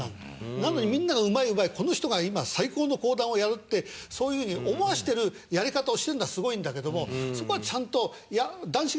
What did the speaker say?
なのにみんなが「うまいうまいこの人が今最高の講談をやる」ってそういうふうに思わせてるやり方をしてるのはすごいんだけどもそこはちゃんと。